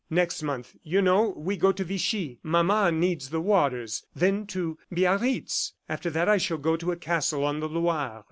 Next month, you know, we go to Vichy. Mama needs the waters. Then to Biarritz. After that, I shall go to a castle on the Loire.